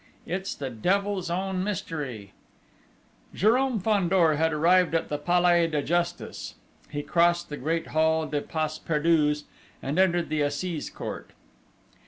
It's the devil's own mystery!" Jérôme Fandor had arrived at the Palais de Justice. He crossed the great hall des Pas Perdus and entered the Assize Court.